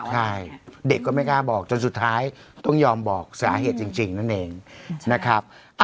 ใช่เด็กก็ไม่กล้าบอกจนสุดท้ายต้องยอมบอกสาเหตุจริงนั่นเองนะครับ